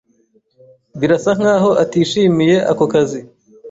Birasa nkaho atishimiye ako kazi.